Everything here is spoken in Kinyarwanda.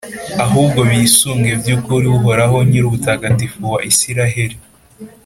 ahubwo bisunge by’ukuri Uhoraho, Nyirubutagatifu wa Israheli.